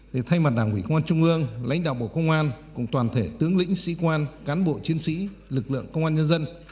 thì thay mặt đảng ủy công an trung ương lãnh đạo bộ công an cùng toàn thể tướng lĩnh sĩ quan cán bộ chiến sĩ lực lượng công an nhân dân